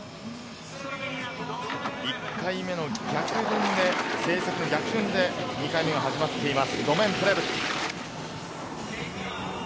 １回目の９人目、逆順で２回目が始まっています。